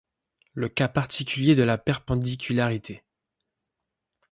Le cas particulier de la perpendicularité.